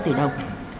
hai mươi năm tỷ đồng